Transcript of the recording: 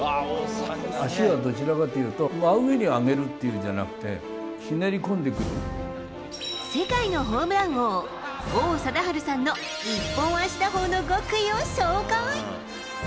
足はどちらかというと、真上に上げるっていうんじゃなくて、世界のホームラン王、王貞治さんの一本足打法の極意を紹介。